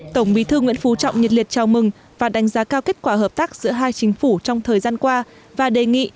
tổng bí thư nguyễn phú trọng nhiệt liệt chào mừng và đánh giá cao kết quả hợp tác giữa hai chính phủ trong thời gian qua và đề nghị